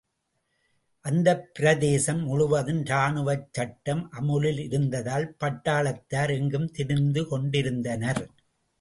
அந்தப் பிரதேசம் முழுவதும் ராணுவச் சட்டம் அமுலில் இருந்ததால் பட்டாளத்தார் எங்கும் திரிந்துக்கொண்டிருந்தானர்.